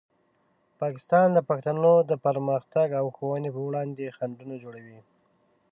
پاکستان د پښتنو د پرمختګ او ښوونې په وړاندې خنډونه جوړوي.